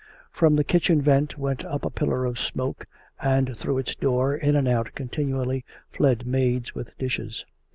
From the kitchen vent went up a pillar of smoke, and through its door, in and out contin ually, fled maids with dishes.